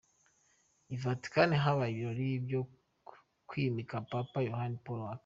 I Vatican habaye ibirori byo kwimika Papa Yohani Paul wa .